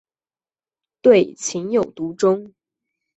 对情有独钟。